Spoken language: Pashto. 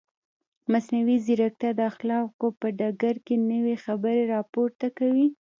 مصنوعي ځیرکتیا د اخلاقو په ډګر کې نوې خبرې راپورته کوي.